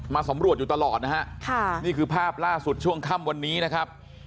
สำรวจอยู่ตลอดนะฮะค่ะนี่คือภาพล่าสุดช่วงค่ำวันนี้นะครับ